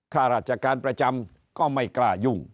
ข้าราชการประจำก็ไม่กล้ายุ่ง